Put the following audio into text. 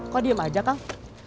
kok diem aja kang